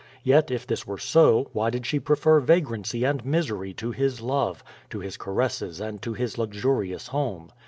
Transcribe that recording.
Yet, if this were so, why did she prefer vagrancy and misery to his love, to his caresses and to his luxurious home?